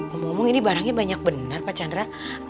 ngomong ngomong ini barangnya banyak benar pak chandra